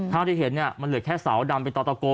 เท่าที่เห็นมันเหลือแค่เสาดำเป็นต่อตะโก